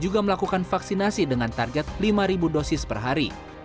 juga melakukan vaksinasi dengan target lima dosis per hari